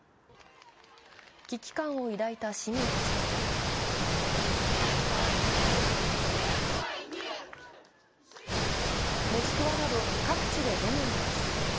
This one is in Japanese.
危機感を抱いた市民たちはモスクワなど各地でデモが発生。